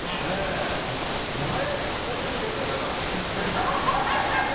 前はこんなにレベル高かったっけ。